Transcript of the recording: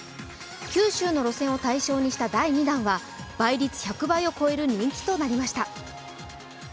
九州の路線を対象にした第２弾は倍率１００倍を超える人気となりました。